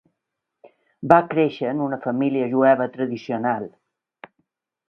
Va créixer en una família jueva tradicional.